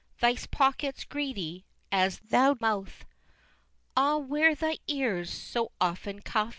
Thy pockets greedy as thou mouth! X. Ah, where thy ears, so often cuff'd!